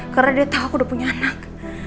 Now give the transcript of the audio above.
karena dia tahu aku udah punya anak